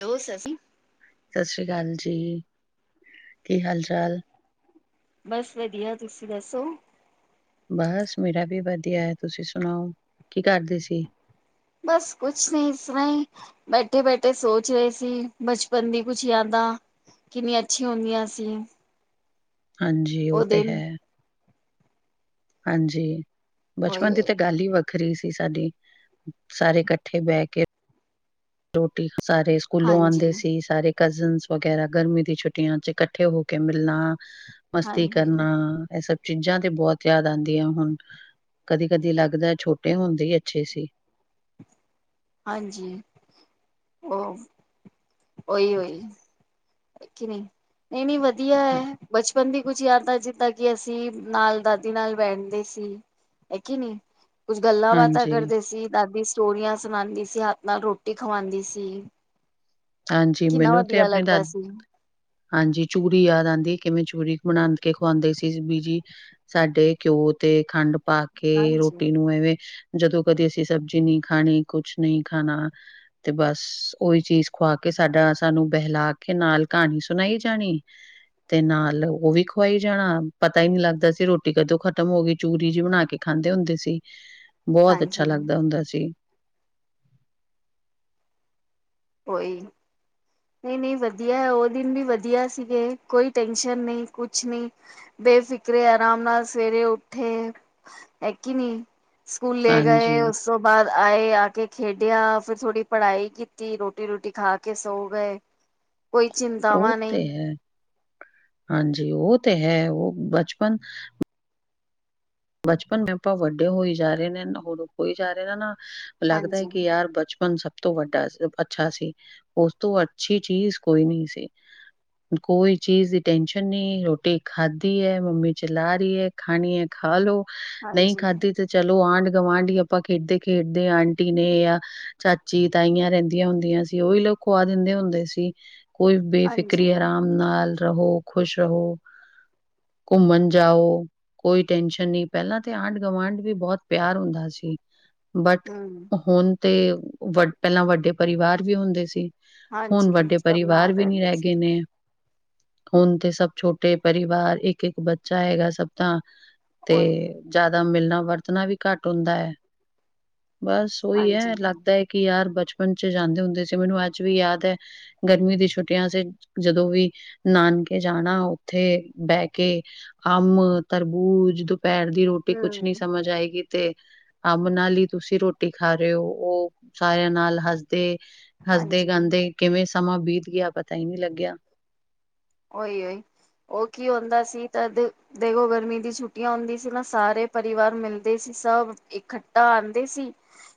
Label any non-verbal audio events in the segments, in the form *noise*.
ਦੋਸਤ ਆ ਅਸੀ। ਸਤਿ ਸ਼੍ਰੀ ਅਕਾਲ ਜੀ, ਕੀ ਹਾਲ ਚਾਲ? ਬਸ ਵਧੀਆ ਤੁਸੀਂ ਦੱਸੋ। ਬਸ ਮੇਰਾ ਵੀ ਵਧੀਆ ਹੈ, ਤੁਸੀਂ ਸੁਣਾਓ ਕੀ ਕਰਦੇ ਸੀ? ਬਸ ਕੁਛ ਨਹੀ ਇਸ ਤਰਾਂ ਹੀ। ਬੈਠੇ-ਬੈਠੇ ਸੋਚ ਰਹੇ ਸੀ ਬਚਪਨ ਦੀ ਕੁਛ ਯਾਦਾਂ। ਕਿੰਨੀਆਂ ਅੱਛੀ ਹੁੰਦੀਆਂ ਸੀ। ਹਾਂਜੀ, ਉ ਉਹ ਤੇ ਦਿਨ ਹੈ। ਹਾਂਜੀ, ਉਹੀ ਬਚਪਨ ਦੀ ਤਾਂ ਗੱਲ ਹੀ ਵ ਵੱਖਰੀ ਸੀ ਸਾਡੀ, ਸਾਰੇ ਇਕੱਠੇ ਬੈ ਕੇ ਰੋਟੀ, ਸਾਰੇ ਸਕੂਲੋਂ ਆਉਂਦੇ ਹਾਂਜੀ ਸੀ ਸਾਰੇ ਕਜ਼ਨ ਵਗੈਰਾ, ਗਰਮੀ ਦੀ ਛੁੱਟੀਆਂ ਚ ਇਕੱਠੇ ਹੋ ਕੇ ਮਿਲਣਾ। ਮਸਤੀ ਹਾਂਜੀ ਕਰਨਾ ਐਸਾ ਚੀਜ਼ਾਂ ਤੇ ਬਹੁਤ ਯਾਦ ਆਉਂਦੀਆਂ ਹੁਣ, ਕਦੀ-ਕਦੀ ਲੱਗਦਾ ਛੋਟੇ ਹੁੰਦੇ ਹੀ ਅੱਛੇ ਸੀ। ਹਾਂਜੀ, ਔ ਔਹੀ-ਔਹੀ। ਕਿ ਨਹੀਂ, ਨਹੀਂ-ਨਹੀਂ ਵਧੀਆ ਹੈ ਬਚਪਨ ਦੀ ਕੁਝ ਯਾਦ ਜਿੱਦਾਂ ਕਿ ਅਸੀਂ ਨਾਲ ਦਾਦੀ ਨਾਲ ਬੈਠਦੇ ਸੀ, ਹੈ ਕਿ ਨੀ। ਕੁਝ ਗੱਲਾਂ ਬਾਤਾਂ ਹਾਂਜੀ। ਕਰਦੇ ਸੀ, ਦਾਦੀ ਸਟੋਰੀਆਂ ਸੁਣਾਉਂਦੀ ਸੀ ਹੱਥ ਨਾਲ ਰੋਟੀ ਖਵਾਉਂਦੀ ਸੀ। ਹਾਂਜੀ, ਕਿੰਨਾ ਮੈਨੂੰ ਤੇ ਵਧੀਆ ਆਪਣੀ ਲੱਗਦਾ। ਦਾਦੀ ਸੀ ਹਾਂਜੀ, ਚੂਰੀ ਯਾਦ ਆਉਂਦੀ ਕਿਵੇਂ ਚੂਰੀ ਬਣਾ ਕੇ ਖੁਵਾਉਂਦੇ ਸੀ ਬੀਜੀ। ਸਾਡੇ ਘਿਓ ਤੇ ਖੰਡ ਪਾ ਕੇ ਹਾਂਜੀ ਰੋਟੀ ਨੂੰ ਐਵੇਂ ਜਦੋਂ ਕਦੀ ਅਸੀਂ ਸਬਜ਼ੀ ਨਹੀਂ, ਖਾਣੀ ਕੁਛ ਨਹੀਂ ਖਾਣਾ ਤੇ ਬਸ, ਉਹੀ ਚੀਜ਼ ਖਵਾ ਕੇ ਸਾਡਾ ਸਾਨੂੰ ਬਹਿਲਾ ਕੇ ਨਾਲ ਕਹਾਣੀ ਸੁਣਾਈ ਜਾਣੀ। ਤੇ ਨਾਲ ਉਹ ਵੀ ਖੁਵਾਈ ਜਾਣਾ ਪਤਾ ਹੀ ਨੀ ਲੱਗਦਾ ਸੀ ਰੋਟੀ ਕਦੋਂ ਖਤਮ ਹੋ ਗਈ ਚੂਰੀ ਜਿਹੀ ਬਣਾ ਕੇ। ਖਾਂਦੇ ਹੁੰਦੇ ਸੀ। *inaudible* ਬਹੁਤ ਅੱਛਾ ਲੱਗਦਾ ਹੁੰਦਾ ਸੀ। ਓਈ ਨਹੀਂ-ਨਹੀਂ, ਵਧੀਆ ਏ। ਉਹ ਦਿਨ ਵੀ ਵਧੀਆ ਸੀਗੇ, ਕੋਈ ਟੈਂਸ਼ਨ ਨਹੀਂ, ਕੁਝ ਨਹੀਂ। ਬੇਫਿਕਰੇ ਆਰਾਮ ਨਾਲ ਸਵੇਰੇ ਉਠੇ, ਹੈ ਕੀ ਨਹੀਂ? ਸਕੂਲੇ ਗਏ ਹਾਂਜੀ ਉਸ। ਉਸ ਤੋਂ ਬਾਅਦ ਆਏ ਆਕੇ ਖੇਡਿਆ, ਫਿਰ ਥੋੜੀ ਪੜ੍ਹਾਈ ਕੀਤੀ, ਰੋਟੀ-ਰੂਟੀ ਖਾ ਕੇ ਸਕੂਲੋ ਗਏ, ਖਾ ਕੇ ਸੋ ਗਏ ਕੋਈ ਚਿੰ ਉਹ ਤੇ ਹੈ ਹਾਂਜੀ, ਉਹ ਤੇ ਹੈ ਉਹ ਬਚਪਨ ਬਚਪਨ ਮੈਂ ਆਪਾ ਵੱਡੇ ਹੋਈ ਜਾ ਰਹੇ ਨੇ ਨਾ, ਹੋਯੀ ਜਾ ਰਹੇ ਨੇ ਨਾ ਲੱਗਦਾ ਏ ਹਾਂਜੀ ਕਿ ਯਾਰ, ਬਚਪਨ ਸ ਤੋਂ ਵੱਡਾ ਅੱਛਾ ਸੀ। ਉਸ ਤੋਂ ਅੱਛੀ ਚੀਜ਼ ਕੋਈ ਨ ਸੀ। ਕੋਈ ਚੀਜ਼ ਦੀ ਟੈਨਸ਼ਨ ਨਹੀਂ, ਰੋਟੀ ਖਾਧੀ ਏ। ਮੰਮੀ ਚਿਲਾ ਰਹੀ ਏ, ਖਾਣੀ ਏ। ਖਾਲੋ, ਨਹੀਂ ਹਾਂਜੀ ਖਾਧੀ ਤੇ ਚਲੋ, ਆਂਢ-ਗੁਵਾਂਢ ਈ ਆਪਾਂ ਖੇਡਦੇ-ਖੇਡਦੇ ਆਂਟੀ ਨੇ ਆ ਚਾਚੀ-ਤਾਈਆਂ ਰਹਿੰਦੀਆਂ ਹੁੰਦੀਆਂ ਸੀ, ਉਹੀ ਲੋਕ ਖੁਆ ਦਿੰਦੇ ਹੁੰਦੇ ਸੀ। ਕੋਈ ਹਾਂਜੀ ਬੇਫਿਕਰੀ, ਆਰਾਮ ਨਾਲ ਰਹੋ, ਖੁਸ਼ ਰਹੋ, ਘੁੰਮਣ ਜਾਓ। ਟੈਸ਼ਨ ਨਹੀਂ। ਪਹਿਲਾਂ ਤੇ ਆਂਢ-ਗਵਾਂਢ ਵੀ ਬਹੁਤ ਪਿਆਰ ਹੁੰਦਾ ਸੀ, ਬਟ ਹਮ ਹੁਣ ਤੇ ਵ ਪਹਿਲਾਂ ਵੱਡੇ ਪਰਿਵਾਰ ਵੀ ਹੁੰਦੇ ਸੀ। ਹੁਣ ਹਾਂਜੀ ਵੱਡੇ ਸਭ ਪਰਿਵਾਰ ਨਾਲ ਵੀ ਨਹੀ ਰਹਿੰਦੇ ਰਹਿ ਸੀ ਗਏ ਨੇ। ਹੁਣ ਤੇ ਸਭ ਛੋਟੇ ਪਰਿਵਾਰ ਇੱਕ-ਇੱਕ ਬੱਚਾ ਹੈਗਾ ਸਭ ਤਾਂ। ਤੇ ਉਹੀ ਜ਼ਿਆਦਾ ਮਿਲਣਾ ਵਰਤਣਾ ਵੀ ਘੱਟ ਹੁੰਦਾ ਏ। ਬਸ, ਔਹੀ ਏ ਹਾਂਜੀ ਲੱਗਦਾ ਏ ਕਿ ਯਾਰ, ਬਚਪਨ ਚ ਜਾਂਦੇ ਹੁੰਦੇ ਸੀ, ਮੈਨੂੰ ਅੱਜ ਵੀ ਯਾਦ ਏ ਗਰਮੀ ਦੀ ਛੁੱਟੀਆਂ ਚ ਜਦੋਂ ਵੀ ਨਾਨਕੇ ਜਾਣਾ, ਔਥੇ ਬਹਿ ਕੇ ਅਮ, ਤਰਬੂਜ ਦੁਪੈਰ ਦੀ ਰੋਟੀ ਕੁਛ ਨੀ ਹਮ ਸਮਝ, ਆਏਗੀ ਤੇ ਅੰਬ ਨਾਲ ਹੀ ਤੁਸੀਂ ਰੋਟੀ ਖਾ ਰਹੇ ਹੋ। ਉਹ ਸਾਰਿਆਂ ਨਾਲ ਹੱਸਦੇ ਹਾਂਜੀ ਹੱਸਦੇ-ਗਾਂਦੇ ਕਿਵੇਂ ਸਮਾਂ ਬੀਤ ਗਿਆ, ਪਤਾ ਹੀ ਨਹੀ ਲੱਗਿਆ। ਔਈ-ਔਈ, ਔ ਕਿ ਹੁਨਦਾ ਸੀ ਤਦ ਦੇਖੋ, ਗਰਮੀ ਦੀ ਛੁੱਟੀਆਂ ਹੁੰਦੀ ਸੀ ਨਾ, ਸਾਰੇ ਪਰਿਵਾਰ ਮਿਲਦੇ ਸੀ ਸਭ ਇਕੱਠਾ ਆਂਦੇ ਸੀ।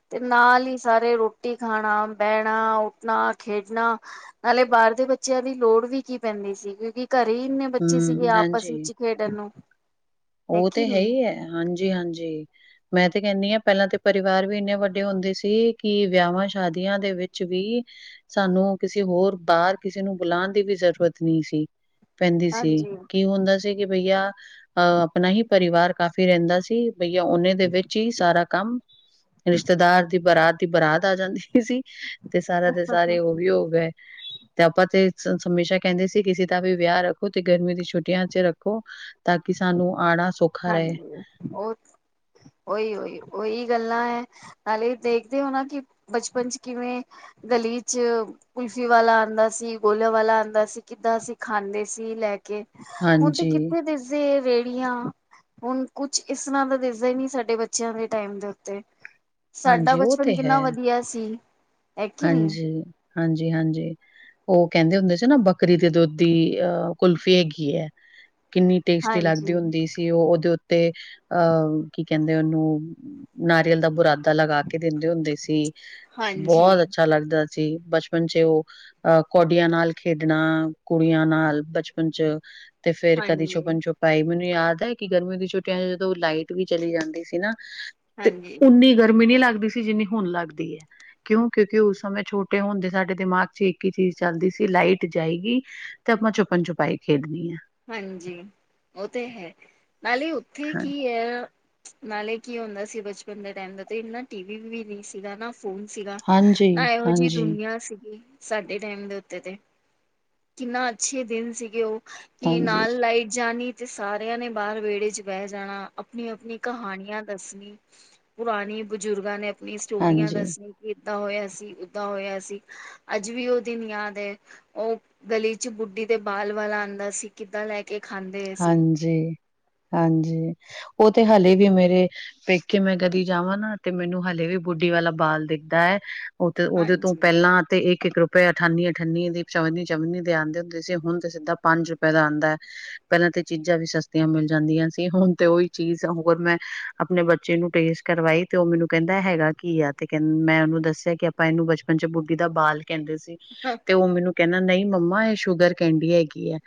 ਤੇ ਨਾਲ ਹੀ ਸਾਰੇ ਰੋਟੀ ਖਾਣਾ, ਬਹਿਣਾ, ਉੱਠਣਾ, ਖੇਡਣਾ ਪਹਿਲੇ ਬਾਹਰ ਦੇ ਬੱਚਿਆਂ ਦੀ ਲੋੜ ਵੀ ਕੀ ਪੈਂਦੀ ਸੀ, ਕਿਉਂਕਿ ਘਰੇ ਹੀ ਇੰਨੇ ਬੱਚੇ ਸੀਗੇ, ਹਮ ਆਪਸ ਹਾਂਜੀ ਵਿੱਚ ਖੇਡ ਤੈਨੂੰ ਉਹ ਤੇ ਹੈ ਈ ਏ। ਹਾਂਜੀ-ਹਾਂਜੀ। ਮੈਂ ਤੇ ਕੇਨੀ ਹਾਂ, ਪਹਿਲਾਂ ਤੇ ਪਰਿਵਾਰ ਵੀ ਇੰਨੇ ਵੱਡੇ ਹੁੰਦੇ ਸੀ ਕਿ ਵਿਆਹਵਾਂ- ਸ਼ਾਦੀਆਂ ਦੇ ਵਿੱਚ ਵੀ ਸਾਨੂੰ ਕਿਸੇ ਹੋਰ ਬਾਹਰ ਕਿਸੇ ਨੂੰ ਬੁਲਾਣ ਦੀ ਵੀ ਜ਼ਰੂਰਤ ਨਹੀਂ ਸੀ। ਪੈਂਦੀ ਸੀ ਹਾਂਜੀ ਕਿ ਹੁੰਦਾ ਸੀ ਕਿ ਬਈਆ ਅਹ, ਆਪਣਾ ਹੀ ਪਰਿਵਾਰ ਕਾਫ਼ੀ ਰਹਿੰਦਾ ਸੀ ਬਈਆ ਉਹਨੇ ਦੇ ਵਿੱਚ ਹੀ ਸਾਰਾ ਕੰਮ, ਰਿਸ਼ਤੇਦਾਰ ਦੀ ਬਰਾਤ ਦੀ ਬਰਾਤ ਆ ਜਾਂਦੀ ਸੀ। ਤੇ ਸਾਰਾ, ਤੇ ਸਾਰੇ ਉਹ ਵੀ ਹੋ ਗਏ। ਤੇ ਆਪਾਂ ਤੇ ਹਮੇਸ਼ਾ ਕਹਿੰਦੇ ਸੀ, ਕਿਸੇ ਦਾ ਵੀ ਵਿਆਹ ਰੱਖੋ ਤੇ ਗਰਮੀ ਦੀ ਛੁਟੀਆਂ ਚ ਰੱਖੋ ਤਾਂ ਸਾਨੂੰ ਆਉਣਾ-ਆਣਾ ਸੌਖਾ। ਰਹੇ। ਹਾਂਜੀ, ਉਹ, ਉਹੀ-ਉਹੀ, ਉਹੀ ਗੱਲਾਂ ਏ। ਨਾਲੇ ਦੇਖਦੇ ਹੋ ਨਾ ਕਿ ਬਚਪਨ 'ਚ ਕਿਵੇਂ ਗਲੀ 'ਚ ਕੁਲਫੀ ਵਾਲਾ ਆਂਦਾ ਸੀ, ਗੋਲੇ ਵਾਲਾ ਆਂਦਾ ਸੀ, ਕਿੱਦਾਂ ਅਸੀਂ ਖਾਂਦੇ ਸੀ ਲੈ। ਕੀ ਹੁਣ ਤੇ ਹਾਂਜੀ, ਕਿੱਥੇ ਦਿਸਦੀ ਏ ਰੇਹੜੀਆਂ। ਹੁਨ ਕੁਛ ਇਸ ਤਰ੍ਹਾਂ ਦਾ ਦਿਸਦਾ ਹੀ ਨੀ ਸਾਡੇ ਬੱਚਿਆਂ ਦੇ ਟਾਈਮ ਦੇ ਉੱਤੇ। ਸਾਡਾ ਹਾਂਜੀ ਉਹ ਬਚਪਨ ਤੇ ਹੈ। ਕਿੰਨਾ ਵਧੀਆ ਸੀ। ਹੈ ਕੀ ਨੀ? ਹਾਂਜੀ, ਹਾਂਜੀ- ਹਾਂਜੀ। ਉਹ ਕਹਿੰਦੇ ਹੁੰਦੇ ਸੀ ਨਾ ਬੱਕਰੀ ਦੇ ਦੁੱਧ ਦੀ ਅਹ ਕੁਲਫੀ ਹੈਗੀ ਹੈ ਕਿੰਨੀ ਟੇਸਟੀ ਲੱਗਦੀ ਹਾਂਜੀ ਹੁੰਦੀ ਤੇ ਉਹ ਉਹਦੇ ਉੱਤੇ ਅਹ ਕੀ ਕਹਿੰਦੇ ਉਹਨੂੰ ਨਾਰੀਅਲ ਪੱਤਾ ਲਗਾ ਕੇ ਦਿੰਦੇ ਹੁੰਦੇ ਸੀ ਹਾਂਜੀ ਬਹੁਤ ਅੱਛਾ ਲੱਗਦਾ ਸੀ ਬਚਪਨ 'ਚ ਉਹ ਅਹ ਕੌਡੀਆਂ ਨਾਲ ਖੇਡਣਾ ਕੁੜੀਆਂ ਨਾਲ ਬਚਪਨ 'ਚ ਤੇ ਫੇਰ ਕਦੀ ਹਾਂਜੀ ਛੁਪਨ ਛੁਪ ਭਾਈ ਮੈਨੂੰ ਯਾਦ ਹੈ ਗਰਮੀਆਂ ਦੀ ਛੁੱਟੀਆਂ ਜਦੋਂ ਲਾਈਟ ਵੀ ਚਲੀ ਜਾਂਦੀ ਸੀ ਨਾ ਤੇ ਹਾਂਜੀ ਉਨੀ ਗਰਮੀ ਨਹੀਂ ਲੱਗਦੀ ਸੀ ਜਿੰਨੀ ਹੁਣ ਲੱਗਦੀ ਹੈ ਕਿਉਂ ਕਿਉਂਕਿ ਉਸ ਸਮੇਂ ਛੋਟੇ ਹੁੰਦੇ ਸਾਡੇ ਦਿਮਾਗ 'ਚ ਇੱਕ ਹੀ ਚੀਜ਼ ਚੱਲਦੀ ਸੀ ਲਾਈਟ ਜਾਏਗੀ ਤੇ ਆਪਾਂ ਛੁਪਣ ਛੁਪਾਈ ਖੇਡਣੀ ਆ ਹਾਂਜੀ ਉਹ ਤੇ ਹੈ ਨਾਲੇ ਉੱਥੇ ਹਾਂ ਕੀ ਐ ਨਾਲੇ ਕੀ ਹੁੰਦਾ ਸੀ ਬਚਪਨ ਦੇ ਟੈਮ ਦਾ ਤੇ ਇੰਨਾ ਟੀ ਵੀ ਵੀ ਨ ਸੀਗਾ ਨਾ ਫੋਨ ਸੀਗਾ ਹਾਂਜੀ, ਨਾ ਐਹੋ ਜਿਹੀ ਹਾਂਜੀ, ਦੁਨੀਆਂ ਸੀਗੀ ਸਾਡੇ ਟੈਮ ਦੇ ਉੱਤੇ ਤੇ ਕਿੰਨਾ ਅੱਛੇ ਦਿਨ ਸੀਗੇ ਉਹ ਕੀ ਹਾਂਜੀ, ਨਾਲ ਲਾਈਟ ਜਾਣੀ ਤੇ ਸਾਰਿਆਂ ਨੇ ਬਾਹਰ ਵਿਹੜੇ 'ਚ ਬਹਿ ਜਾਣਾ, ਆਪਨੀ ਆਪਨੀ ਕਹਾਣੀਆਂ ਦੱਸਣੀ ਪੁਰਾਣੀ ਬਜ਼ੁਰਗਾਂ ਨੇ ਆਪਣੀ ਸਟੋਰੀਆਂ ਹਾਂਜੀ, ਦੱਸੀਆਂ ਕਿ ਐਦਾਂ ਹੋਇਆ ਸੀ ਓਦਾਂ ਹੋਇਆ ਸੀ ਅੱਜ ਵੀ ਉਹ ਦਿਨ ਯਾਦ ਹੈ, ਉਹ ਗਲੀ 'ਚ ਬੁੱਢੀ ਦੇ ਬਾਲ ਵਾਲਾ ਆਂਦਾ ਸੀ ਕਿੱਦਾਂ ਲੈ ਕੇ ਖਾਂਦੇ ਸੀ ਜੀ ਹਾਂਜੀ ਉਹ ਤੇ ਹਲੇ ਵੀ ਮੇਰੇ ਪੇਕੇ ਮੈਂ ਕਦੀ ਜਾਵਾਂ ਨਾ ਤੇ ਮੈਨੂੰ ਹਲੇ ਵੀ ਬੁੱਢੀ ਵਾਲਾ ਬਾਲ ਦਿਖਦਾ ਹੈ ਉਹ ਤੇ ਉਹਦੇ ਤੋਂ ਹਾਂਜੀ ਪਹਿਲਾਂ ਤੇ ਇੱਕ ਗਰੁੱਪ ਰੁਪਏ ਅਠਾਨੀ ਅਠਾਨੀ ਦੀ ਚਵੰਨੀ ਚੌਵਨੀ ਦੇ ਆਂਦੇ ਹੁੰਦੇ ਸੀ ਹੁਣ ਤੇ ਸਿੱਧਾ ਪੰਜ ਰੁਪਏ ਦਾ ਆਂਦਾ ਹੈ ਪਹਿਲੇ ਤਾਂ ਚੀਜ਼ਾਂ ਵੀ ਸਸਤੀਆਂ ਮਿਲ ਜਾਂਦੀਆਂ ਸੀ, ਹੁਣ ਤੇ ਉਹੀ ਚੀਜ਼ ਹੋਰ ਮੈਂ ਆਪਣੇ ਬੱਚੇ ਨੂੰ ਟੇਸਟ ਕਰਵਾਈ ਤੇ ਉਹ ਮੈਨੂੰ ਕਹਿੰਦਾ ਹੈਗਾ ਕੀ ਹੈ ਤੇ ਕਹ ਮੈਂ ਉਹਨੂੰ ਦੱਸਿਆ ਕਿ ਆਪਾਂ ਇਹਨੂੰ ਬਚਪਨ 'ਚ ਬੁੱਢੀ ਦਾ ਬਾਲ ਕਹਿੰਦੇ ਸੀ ਤੇ ਉਹ ਮੈਨੂੰ ਕਹਿੰਦਾ ਨਹੀਂ ਮੰਮਾ ਇਹ ਸ਼ੂਗਰ ਕੈਂਡੀ ਹੈਗੀ ਏ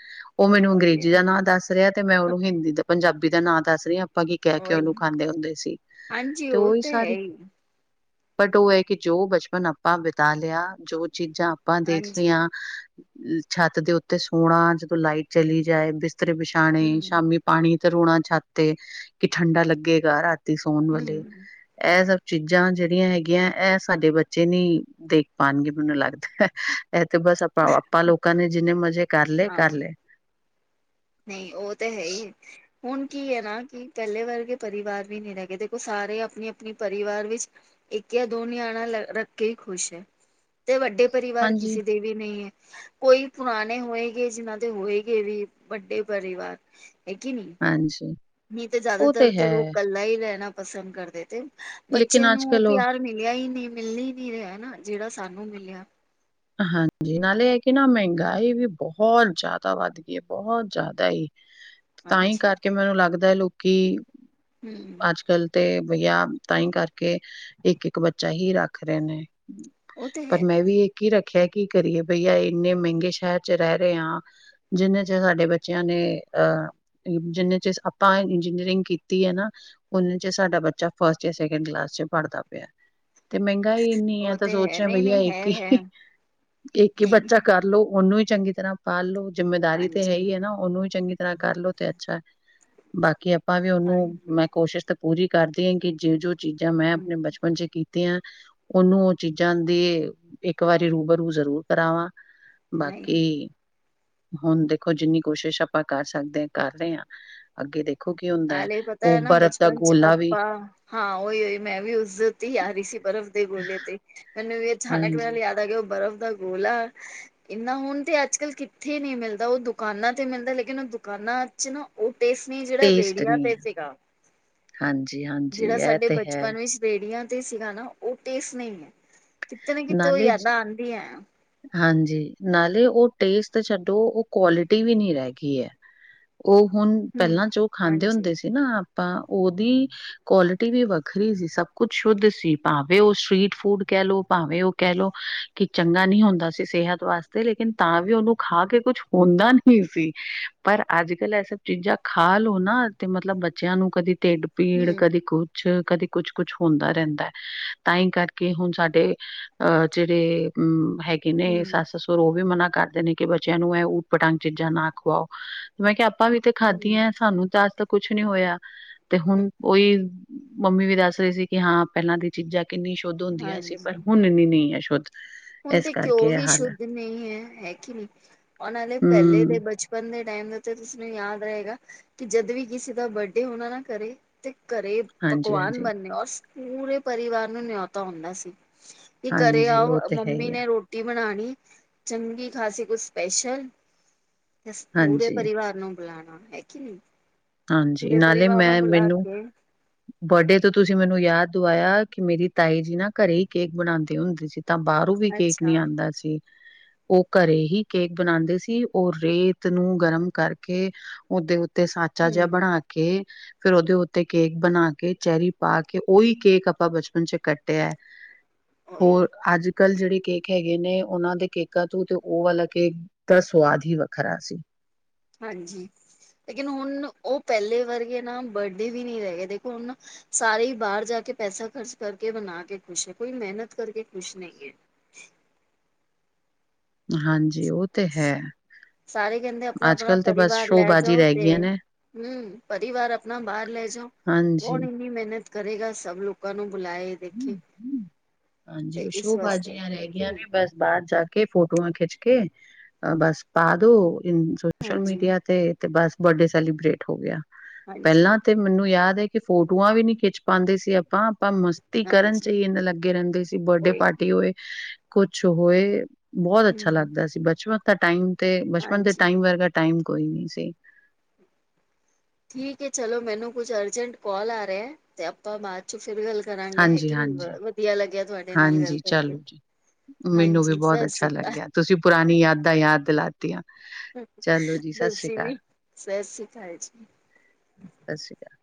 ਉਹ ਮੈਨੂੰ ਅੰਗਰੇਜ਼ੀ ਉਹੀ ਹੈ ਜਿਹਦਾ ਨਾਂ ਦੱਸ ਰਿਹਾ ਤੇ ਮੈਂ ਉਹਨੂੰ ਹਿੰਦੀ ਦਾ ਪੰਜਾਬੀ ਦਾ ਨਾਂ ਦੱਸ ਰਹੀ ਹਾਂ ਆਪਾਂ ਕੀ ਕਹਿ ਕੇ ਉਹੀ ਉਹਨੂੰ ਖਾਂਦੇ ਹੁੰਦੇ ਸੀ ਹਾਂਜੀ ਤੇ ਉਹ ਉਈ ਹੈ ਸਾਰੀ ਹੀ ਬਟ ਉਹ ਹੈ ਕਿ ਜੋ ਬਚਪਨ ਆਪਾਂ ਬਿਤਾ ਲਿਆ ਜੋ ਚੀਜ਼ਾਂ ਆਪਾਂ ਦੇਖਦੇ ਹਾਂਜੀ ਹਾਂ ਛੱਤ ਦੇ ਉੱਤੇ ਸੋਣਾ ਜਦੋਂ ਲਾਈਟ ਚਲੀ ਜਾਏ ਬਿਸਤਰੇ ਵਸ਼ੋਂ ਵਿਛਾਣੇ ਹੂੰ ਸ਼ਾਮੀ ਪਾਣੀ ਤਰੋਣਾ ਛੱਤ ਤੇ ਕਿ ਠੰਡਾ ਲੱਗੇਗਾ ਰਾਤੀ ਰਾਤੀ ਸੌਣ ਵਾਲੇ ਹੂੰ ਐਹ ਸਭ ਚੀਜ਼ਾਂ ਜਿਹੜੀਆਂ ਹੈਗੀਆਂ ਇਹ ਸਾਡੇ ਬੱਚੇ ਨੀ ਦੇਖ ਪਾਉਣਗੇ ਮੈਨੂੰ ਲੱਗਦਾ ਐਹ ਤੇ ਬਸ ਆਪਾਂ ਆਪਾਂ ਲੋਕਾਂ ਨੇ ਜਿੰਨੇ ਮਜ਼ੇ ਕਰ ਲਏ ਹਾਂ ਕਰ ਲਏ ਨਹੀਂ ਉਹ ਤੇ ਹੈ ਹੀ ਹੁਣ ਕੀ ਹੈ ਨਾ ਕੀ ਪਹਿਲੇ ਵਰਗੇ ਪਰਿਵਾਰ ਵੀ ਨਹੀਂ ਰਹਿ ਗਏ, ਦੇਖੋ ਸਾਰੇ ਆਪਣੀ- ਆਪਣੀ ਪਰਿਵਾਰ ਵਿੱਚ ਇੱਕ ਜਾਂ ਦੋ ਨੇ ਆਣਾ ਲ ਰੱਖ ਕੇ ਹੀ ਖੁਸ਼ ਹੈ ਤੇ ਵੱਡੇ ਪਰਿਵਾਰ ਹਾਂਜੀ ਕਿਸੇ ਦੇ ਵੀ ਨਹੀਂ ਹੈ, ਕੋਈ ਪੁਰਾਣੇ ਹੋਏਗੇ ਜਿਹਨਾਂ ਦੇ ਹੋਏਗੇ ਵੀ ਵੱਡੇ ਪਰਿਵਾਰ ਹੈ ਕਿ ਨੀ ਅੱਛਾ। ਨਹੀਂ ਤੇ ਜ਼ਿਆਦਾਤਰ ਤੇ ਲੋਕ ਇਕੱਲਾ ਹੀ ਰਹਿਣਾ ਪਸੰਦ ਕਰਦੇ ਤੇ ਬੱਚਿਆਂ ਲੇਕਿਨ ਅੱਜ ਨੂੰ ਉਹ ਕੱਲ ਪਿਆਰ ਮਿਲਿਆ ਹੀ ਨਹੀਂ, ਮਿਲਣ ਹੀ ਨੀ ਰਿਹਾ ਨਾ ਜਿਹੜਾ ਸਾਨੂੰ ਮਿਲਿਆ। ਹਾਂਜੀ, ਨਾਲੇ ਹੈ ਕਿ ਨਾ ਮਹਿੰਗਾਈ ਵੀ ਬਹੁਤ ਜ਼ਿਆਦਾ ਵੱਧ ਗਈ ਹੈ ਬਹੁਤ ਜ਼ਿਆਦਾ। ਹੂ ਤਾਂ ਹੀ ਕਰਕੇ ਮੈਨੂੰ ਲੱਗਦਾ ਲੋਕੀ ਹੂ ਅੱਜ ਕਲ ਤੇ ਵਆ ਤਹੀ ਕਰਕੇ ਇੱਕ- ਇੱਕ ਬੱਚਾ ਹੀ ਰੱਖ ਰਹੇ ਨੇ। ਉਹ ਤੇ ਹੈ ਪਰ ਮੈਂ ਵੀ ਇਹ ਕੀ ਰੱਖਿਆ ਕੀ ਕਰੀਏ ਬਈਆ ਇੰਨੇ ਮਹਿੰਗੇ ਸ਼ਹਿਰ ਚ' ਰਹਿ ਰਹੇ ਹਾਂ। ਜਿੰਹੇ ਚ' ਸਾਡੇ ਬੱਚਿਆਂ ਨੇ ਅਹ ਜਿੰਨੇ ਚ' ਆਪਾਂ ਇੰਜੀਨੀਅਰਿੰਗ ਕੀਤੀ ਹੈ ਨਾ। ਓਨੇ ਚ' ਸਾਡਾ ਬੱਚਾ ਫਸਟ ਜਾਂ ਸੈਕਿੰਡ ਕਲਾਸ ਚ' ਪੜਦਾ ਪਿਆ। ਤੇ ਮਹਿੰਗਾਈ ਇੰਨੀ ਐ ਉਹ ਤਾਂ ਤੇ ਹੈ ਸੋਚ ਰਿਆ ਨਹੀਂ ਬਈਆ ਨਹੀਂ ਹੈ ਇੱਕ ਹੈ ਹੀ ਇੱਕ ਈ ਨਹੀਂ ਬੱਚਾ ਕਰਲੋ, ਉਹਨੂੰ ਈ ਚੰਗੀ ਤਰ੍ਹਾਂ ਪਾਲ ਲੋੋ ਜਿੰਮੇਦਾਰੀ ਤੇ ਹਾਂਜੀ ਹੈ ਈ ਏ ਨਾ ਉਹਨੂੰ ਈ ਚੰਗੀ ਤਰਾਂ ਕਰਲੋ ਤੇ ਅੱਛਾ ਐ। ਬਾਕੀ ਆਪਾਂ ਵੀ ਓਨੂੰ ਹਾਂਜੀ ਮੈਂ ਕੋਸ਼ਿਸ਼ ਤਾਂ ਪੂਰੀ ਕਰਦੀ ਆ ਕਿ ਜੋੇ- ਜੋ ਚੀਜ਼ਾਂ ਮੈਂ ਆਪਣੇ ਹਮ ਬਚਪਨ ਚ' ਕੀ ਆਂ ਓਨੂੰ ਉਹ ਚੀਜ਼ਾਂ ਦੇ। ਇੱਕ ਵਾਰੀ ਰੂ ਬਰੂ ਜ਼ਰੂਰ ਕਰਾਵਾਂ, ਨਹੀਂ ਬਾਕੀ ਹੁਣ ਦੇਖੋ ਜਿੰਨੀ ਕੋਸ਼ਿਸ਼ ਆਪਾਂ ਕਰ ਸਕਦੇ ਆਂ ਕਰ ਰਏ ਆਂ। ਅੱਗੇ ਦੇਖੋ ਕੀ ਹੁੰਦਾ ਐ। ਨਾਲੇ ਪਤਾ ਓ ਹੈ ਨਾ ਬਰਫ਼ ਦਾ ਬਚਪਨ ਚ ਗੋਲਾ ਵੀ ਆਪਾਂ ਹਾਂ ਓਈ- ਉਈ ਮੈਂ ਵੀ ਉਸਦੇ ਉਤੇ ਈ ਆ ਰਹੀ ਸੀ ਬਰਫ਼ ਦੇ ਗੋਲੇ ਤੇ ਈ। ਮੈਨੂੰ ਵੀ ਅਚਾਨਕ ਨਾਲ ਹਾਂਜੀ ਯਾਦ ਆ ਗਿਆ ਉਹ ਬਰਫ਼ ਦਾ ਗੋਲਾ ਇੰਨਾ ਹੁਣ ਤੇ ਅੱਜ-ਕੱਲ ਕਿੱਥੇ ਨਈ ਮਿਲਦਾ ਉਹ ਦੁਕਾਨਾਂ ਤੇ ਮਿਲਦਾ ਲੇਕਿਨ ਉਹ ਦੁਕਾਨਾਂ ਚ' ਨਾ ਉਹ ਟੇਸਟ ਨਈ, ਜਿਹੜਾ ਟੇਸਟ ਰੇੜੀਆ ਨਹੀਂ ਤੇ ਹੈ ਸੀਗਾ। ਹਾਂਜੀ ਹਾਂ। ਜਿਹੜਾ ਸਾਡੇ ਬਚਪਨ ਵਿੱਚ ਰੇੜੀਆਂ ਤੇ ਸੀਗਾ ਨਾ ਉਹ ਟੇਸਟ ਨਈ, ਐ ਕਿਤੇ ਨਾ ਕਿਤੇ ਓ ਨਾਲੇ ਜ ਯਾਦਾਂ ਆਂਦੀਆਂ ਐ। ਹਾਂਜੀ, ਨਾਲੇ ਉਹ ਟੇਸਟ ਛੱਡੋ ਉਹ ਕੁਆਲਿਟੀ ਵੀ ਨਈ ਰਹਿ ਗਈ ਐ। ਉਹ ਹੁਣ ਪਹਿਲਾਂ ਹਮ ਜੋ ਖਾਂਦੇ ਹਾਂਜੀ ਹੁੰਦੇ ਸੀ ਨਾ ਆਪਾਂ ਉਹਦੀ ਕੁਆਲਿਟੀ ਵੀ ਵੱਖਰੀ ਸੀ ਸਭ ਕੁਛ ਸ਼ੁੱਧ ਸੀ ਭਾਵੇਂ ਉਹ ਸਟ੍ਰੀਟ ਫੂਡ ਕਹਿ ਲੋ। ਭਾਵੇਂ ਓ ਕਹਿ ਲਓ, ਕਿ ਚੰਗਾ ਨਈ ਹੁੰਦਾ ਸੀ ਸਿਹਤ ਵਾਸਤੇ ਲੇਕਿਨ ਤਾਂ ਵੀ ਉਹਨੂੰ ਖਾ ਕੇ ਕੁਛ ਹੁੰਦਾ ਨਈ ਸੀ, ਪਰ ਅੱਜ-ਕੱਲ ਏਹ ਸਭ ਚੀਜ਼ਾਂ ਖਾ ਲੋ ਨਾ ਤੇ ਮਤਲਬ ਬੱਚਿਆਂ ਨੂੰ ਕਦੀ ਢਿੱਡ ਪੀੜ ਹਮ ਕਦੇ ਕੁਛ, ਕਦੇ ਕੁਛ, ਕੁਛ ਹੁੰਦਾ ਰਹਿੰਦਾ, ਐ ਤਾਂ ਹੀ ਕਰਕੇ ਹੁਣ ਸਾਡੇ ਅ ਜਿਹੜੇ ਉਂ ਹੈਗੇ ਨੇ ਹਮ ਸੱਸ ਸਸੁਰ ਉਹ ਵੀ ਮਨਾ ਕਰਦੇ ਨੇ ਕਿ ਬੱਚਿਆਂ ਨੂੰ ਇਹ ਊਟ-ਪਟਾਂਗ ਚੀਜ਼ਾਂ ਨਾ ਖਵਾਓ। ਮੈਂ ਕਿਆ ਆਪਾਂ ਵੀ ਤੇ ਹਮ ਖਾਧੀਐ ਸਾਨੂੰ ਤਾਂ ਅਜ ਤੱਕ ਕੁਛ ਨੀ ਹੋਇਆ। ਤੇ ਹੁਨ ਓਈ ਮੰਮੀ ਵੀ ਦੱਸ ਰਹੀ ਸੀ ਕਿ ਹਾਂ ਪਹਿਲਾਂ ਦੀਆਂ ਚੀਜ਼ਾਂ ਕਿੰਨੀ ਸ਼ੁੱਧ ਹੁੰਦੀਆਂ ਸੀ ਪਰ ਹਾਂਜੀ ਹੁਣ ਇੰਨੀ ਨਈ ਐ ਸ਼ੁੱਧ। ਹੁਣ ਇਸ ਤੇ ਕਿਉਂ ਕਰਕੇ ਇਹ ਵੀ ਹਾਲ ਹੈ ਸ਼ੁੱਧ ਨਈ ਐ ਹੈ ਕਿ ਨਈ ਓਨਾ ਲਈ ਪਹਿਲੇ ਹਮ ਦੇ ਬਚਪ ਆਪਣ ਦੇ ਟੈਮ ਤੇ ਤੁਸੀ ਨੇ ਯਾਦ ਰਏਗਾ। ਕਿ ਜਦ ਵੀ ਕਿਸੇ ਦਾ ਬਡਡੇ ਹੋਣਾ ਨਾ ਘਰੇ, ਤੇ ਘਰੇ ਹਾਂਜੀ ਪਕਵਾਨ ਹਾਂਜੀ ਬੰਨਨੇ ਓਸ, ਪੂਰੇ ਪਰਿਵਾਰ ਨੂੰ ਨਿਉਤਾ ਓਂਦਾ ਸੀ। ਕਿ ਘਰੇ ਹਾਂਜੀ ਓ ਆਓ ਤੇ ਹੈ ਮੰਮੀ ਹੀ ਆ ਨੇ ਰੋਟੀ ਬਣਾਣੀ, ਚੰਗੀ ਖਾਸੀ ਕੁਸ ਸਪੈਸ਼ਲ। ਇਸ ਪੂਰੇ ਹਾਂਜੀ ਪਰਿਵਾਰ ਨੂੰ ਬੁਲਾਣਾ, ਹੈ ਕੀ ਨੀ। ਹਾਂਜੀ, ਨਾਲੇ ਮੈਂ ਮੈਨੂੰ ਕੇ ਬਡਡੇ ਤੇ ਤੁਸੀਂ ਮੈਨੂੰ ਯਾਦ ਦੁਵਾਇਆ ਕਿ ਮੇਰੀ ਤਾਈ ਜੀ ਨਾ ਘਰੇ ਈ ਕੇਕ ਬਣਾਉੰਦੀ ਹੁੰਦੀ ਸੀ। ਤਾਂ ਬਾਹਰੋਂ ਵੀ ਕੇਕ ਨੀ ਅੱਛਾ ਆਂਦਾ ਸੀ। ਉਹ ਘਰੇ ਹੀ ਕੇਕ ਬਣਾਉਂਦੇ ਸੀ ਉਹ ਰੇਤ ਨੂੰ ਗਰਮ ਕਰਕੇ ਉਹਦੇ ਉੱਤੇ ਸਾਂਚਾ ਜਿਆ ਹੂੰ ਬਣਾ ਕੇ ਫਿਰ ਉਹਦੇ ਉੱਤੇ ਕੇਕ ਬਣਾ ਕੇ ਚੈਰੀ ਪਾ ਕੇ ਉਈ ਕੇਕ ਆਪਾਂ ਬਚਪਨ 'ਚ ਕੱਟਿਆ *inaudible* ਹੋਰ ਅੱਜ ਕੱਲ ਜੇੜੇ ਕੇਕ ਹੈਗੇ ਨੇ ਉਨਾਂ ਦੇ ਕੇਕਾਂ ਤੋਂ ਤੇ ਓ ਵਾਲਾ ਕੇਕ ਦਾ ਸਵਾਦ ਹੀ ਵੱਖਰਾ ਸੀ। ਹਾਂਜੀ, ਲੇਕਿਨ ਹੁਣ ਉਹ ਪਹਿਲੇ ਵਰਗੇ ਨਾ ਬਡਡੇ ਵੀ ਨੀ ਰੈਗੇ ਦੇਖੋ ਹੁਣ ਸਾਰੇ ਈ ਬਾਹਰ ਜਾ ਕੇ ਪੈਸਾ ਖ਼ਰਚ ਕਰਕੇ ਬਣਾ ਕੇ ਖੁਸ਼ ਏ ਕੋਈ ਮਿਹਨਤ ਕਰਕੇ ਖੁਸ਼ ਨਈ ਹੈ ਹਾਂਜੀ, ਉਹ ਤੇ ਹੈ। ਸਾਰੇ ਕਹਿੰਦੇ ਅੱਜ ਆਪਣਾ-ਆਪਣਾ ਕੱਲ ਤੇ ਬਸ ਪਰਿਵਾਰ ਲੈ ਸ਼ੋਅਬਾਜ਼ੀ ਜਾਓ ਰਹਿ ਤੇ ਗਈਆਂ ਨੇ ਹੂੰ, ਪਰਿਵਾਰ ਆਪਣਾ ਬਾਹਰ ਲੈ ਜਓ, ਕੌਣ ਹਾਂਜੀ ਇੰਨੀ ਮਿਹਨਤ ਕਰੇਗਾ ਸਭ ਲੋਕਾਂ ਨੂੰ ਬੁਲਾਏ ਦੇਖੇ ਹਾਂਜੀ, ਤੇ ਉਹ ਇਸ ਵਾਸਤੇ ਸ਼ੋ-ਬਾਾਜ਼ੀਆਂ ਹੈ ਰਹਿ ਕਿ ਗਈਆਂ ਨਹੀਂ। ਨੇ ਬਸ। ਬਾਹਰ ਜਾ ਕੇ ਫੋਟੋਆਂ ਖਿੱਚ ਕੇ ਬਸ ਪਾ ਦੋ ਇੰਸ ਸੋਸ਼ਲ ਹਾਂਜੀ, ਮੀਡੀਆ ਤੇ ਤੇ ਬਸ ਬਰਡੇ ਸੈਲੀਬ੍ਰਟ ਹੋ ਗਿਆ ਪਹਿਲਾ ਹਾਂਜੀ, ਤੇ ਮੈਨੂੰ ਯਾਦ ਹੈ ਕਿ ਫੋਟੋਆਂ ਵੀ ਨੀ ਖਿੱਚ ਪਾਂਦੇ ਸੀ ਆਪਾਂ ਆਪਾਂ ਤੀ ਕਰਨ 'ਚ ਹਾਂਜੀ ਹੀ ਇੰਨੇ ਲੱਗੇ ਰਹਿੰਦੇ ਸੀ ਬਰਡੇ ਉਹੀ ਪਾਰਟੀ ਹੋਏ ਕੁਛ ਹੋਏ ਬਹੁਤ ਅੱਛਾ ਹੂੰ ਲੱਗਦਾ ਸੀ ਬਚਪਨ ਦਾ ਟਾਈਮ ਤੇ ਬਚਪਨ ਦੇ ਹਾਂਜੀ। ਟਾਈਮ ਵਰਗਾ ਟਾਈਮ ਕੋਈ ਨਹੀਂ ਸੀ। ਠੀਕ ਹੈ ਚਲੋ ਮੈਨੂੰ ਕੁਛ ਅਰਜੈਂਟ ਕੋਲ ਆ ਰਿਹਾ ਤੇ ਆਪਾਂ ਬਾਅਦ 'ਚ ਫਿਰ ਗੱਲ ਕਰਾਂਗੇ ਹੈ ਹਾਂਜੀ, ਕੇ ਨੀ ਹਾਂਜੀ, ਵਧੀਆ ਲੱਗਿਆ ਤੁਹਾਡੇ ਨਾਲ ਗੱਲ ਹਾਂਜੀ ਕਰਕੇ। ਚਲੋ ਜੀ ਮੈਨੂੰ ਵੀ ਹਾਂਜੀ ਬਹੁਤ ਸਤਿ ਅੱਛਾ ਸ੍ਰੀ ਅਕਾਲ ਲੱਗਿਆ, ਤੁਸੀਂ ਪੁਰਾਣੀ ਯਾਦਾਂ ਯਾਦ ਦਿਲਾ ਤੇਆਂ ਚਲੋ ਜੀ ਸਤਿ ਸ੍ਰੀ ਤੁਸੀਂ ਅਕਾਲ। ਵੀ ਸਤਿ ਸ੍ਰੀ ਅਕਾਲ ਜੀ ਸਸ੍ਰੀ ਅਕਾਲ।